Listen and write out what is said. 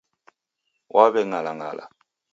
Waweng'alang'ala